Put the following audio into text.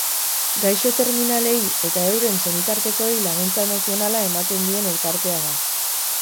Gaixo terminalei eta euren senitartekoei laguntza emozionala ematen dien elkartea da.